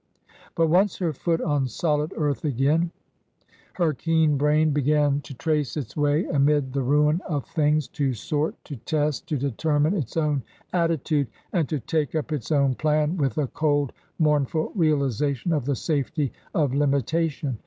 But once her foot on solid earth again, her keen brain began TRANSITION, 277 to trace its way amid the ruin of things, to sort, to test, to determine its own attitude, and to take up its own plan with a cold, mournful realization of the safety of limitation.